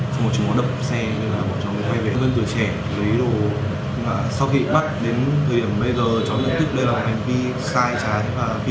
xong rồi chúng nó đập xe bọn cháu mới quay về